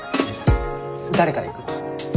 誰からいく？